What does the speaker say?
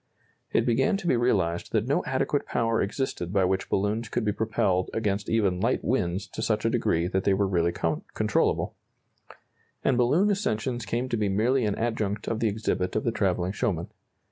It began to be realized that no adequate power existed by which balloons could be propelled against even light winds to such a degree that they were really controllable, and balloon ascensions came to be merely an adjunct of the exhibit of the travelling showman.